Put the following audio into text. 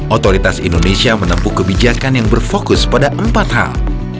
otoritas indonesia menempuh kebijakan yang berfokus pada empat hal